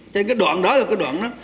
thế cái đoạn đó là cái đoạn đó